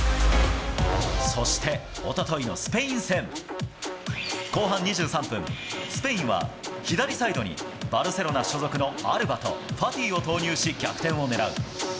そしておとといのスペイン戦。後半２３分、スペインは、左サイドにバルセロナ所属のアルバとファティを投入し、逆転を狙う。